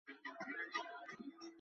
দেখো, বাবা।